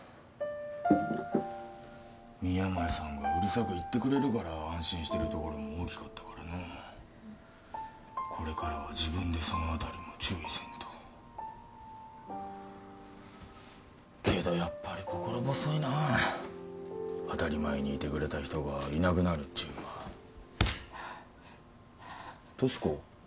宮前さんがうるさく言ってくれるから安心してるところも大きかったからのうこれからは自分でそんあたりも注意せんとけどやっぱり心細いな当たり前にいてくれた人がいなくなるっちゅうんは俊子？